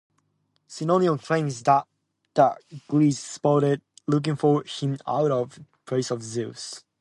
Sinon claims that the Greeks stopped looking for him out of respect for Zeus.